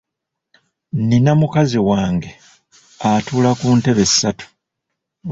Nnina mukazi wange atuula ku ntebe ssatu.